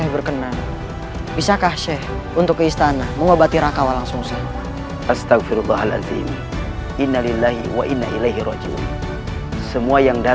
transpose kalian menyuruhku untuk tunduk jangan mimpi kalian yang seharusnya tunduk